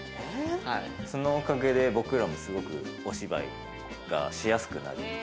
そのおかげで僕らもすごくお芝居がしやすくなる。